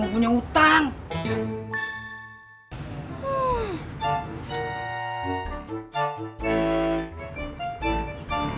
handphonenya teh udah jadul gitu yaa